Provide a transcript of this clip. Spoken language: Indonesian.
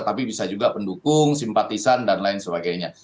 tapi bisa juga pendukung simpatisan dan lain sebagainya